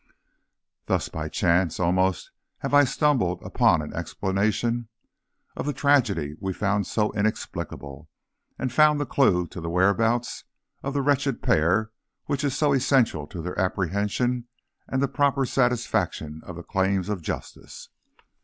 Thus by chance, almost, have I stumbled upon an explanation of the tragedy we found so inexplicable, and found that clew to the whereabouts of the wretched pair which is so essential to their apprehension and the proper satisfaction of the claims of justice.